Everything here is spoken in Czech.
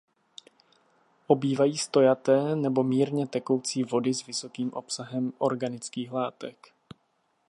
Obývají stojaté nebo mírně tekoucí vody s vysokým obsahem organických látek.